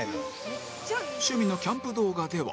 趣味のキャンプ動画では